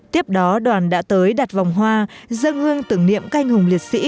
tiếp đó đoàn đã tới đặt vòng hoa dân hương tưởng niệm canh hùng liệt sĩ